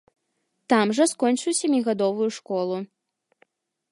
Там жа скончыў сямігадовую школу.